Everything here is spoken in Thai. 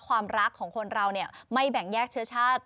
ความรักของคนเราไม่แบ่งแยกเชื้อชาติ